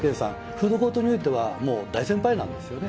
フードコートにおいてはもう大先輩なんですよね